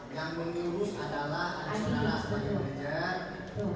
yang mengurus adalah adik saudara sebagai pekerja